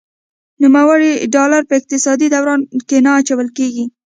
نوموړي ډالر په اقتصادي دوران کې نه اچول کیږي.